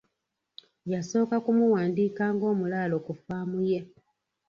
Yasooka kumuwandiika ng'omulaalo ku faamu ye.